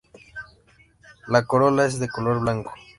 La corola es de color blanco.